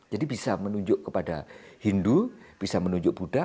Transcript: jadi bisa menunjuk kepada hindu bisa menunjuk buddha